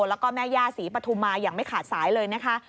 แล้วก็แม่ย่าศรีปฐุมาอย่างไม่ขาดสายเลยนะคะ